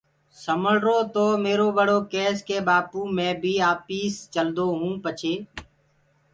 سمݪرو تو ميرو ٻڙو ڪيس ڪي ٻآپو مي بيٚ آپيس چلدون پڇي